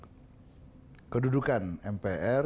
penataan kedudukan mpr